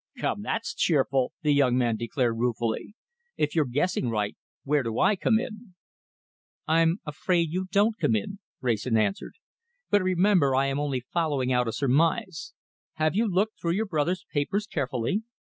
"Come, that's cheerful," the young man declared ruefully. "If you're guessing right, where do I come in?" "I'm afraid you don't come in," Wrayson answered; "but remember I am only following out a surmise. Have you looked through your brother's papers carefully?"